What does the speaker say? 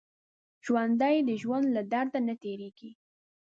ژوندي د ژوند له درد نه تېرېږي